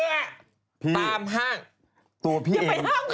ตามห้างพี่อย่าไปห้างครับตัวพี่เอง